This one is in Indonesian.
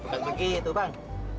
bukan begitu bang